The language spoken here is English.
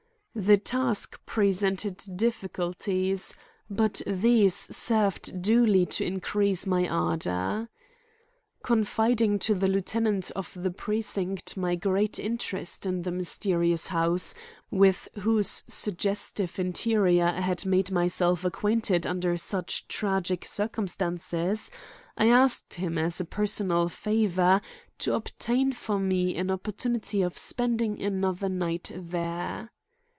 The task presented difficulties, but these served duly to increase my ardor. Confiding to the lieutenant of the precinct my great interest in the mysterious house with whose suggestive interior I had made myself acquainted under such tragic circumstances, I asked him as a personal favor to obtain for me an opportunity of spending another night there.